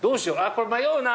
これ迷うな。